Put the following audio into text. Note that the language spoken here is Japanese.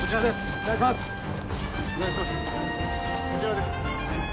・こちらです。